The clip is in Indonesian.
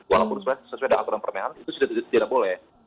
walaupun sesuai dengan permenahan itu sudah tidak boleh